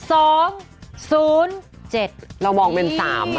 เรามองเป็น๓มั้น